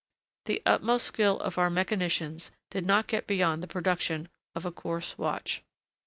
The utmost skill of our mechanicians did not get beyond the production of a coarse watch.